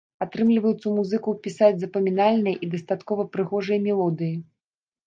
Атрымліваецца ў музыкаў пісаць запамінальныя і дастаткова прыгожыя мелодыі.